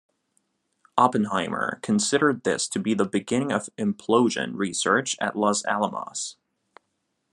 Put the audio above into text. Oppenheimer considered this to be the beginning of implosion research at Los Alamos.